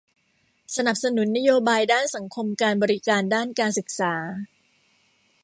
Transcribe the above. สนับสนุนนโยบายด้านสังคมการบริการด้านการศึกษา